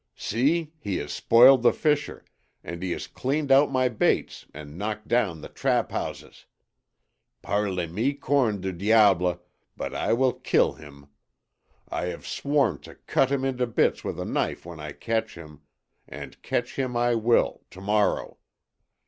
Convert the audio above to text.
"See, he has spoiled the fisher, and he has cleaned out my baits and knocked down the trap houses. Par les mille cornes du diable, but I will kill him! I have sworn to cut him into bits with a knife when I catch him and catch him I will, to morrow.